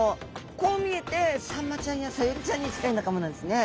こう見えてサンマちゃんやサヨリちゃんに近い仲間なんですね。